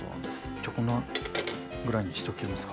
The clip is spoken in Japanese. じゃあこんなぐらいにしときますか。